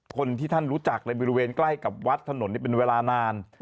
คนที่ท่านรู้จักในบริเวณใกล้กับวัดถนนเป็นเวลานาน